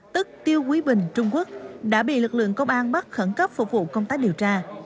tức tiêu quý bình trung quốc đã bị lực lượng công an bắt khẩn cấp phục vụ công tác điều tra